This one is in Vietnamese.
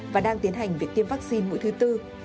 và đang tiến hành việc tiêm vaccine mũi thứ tư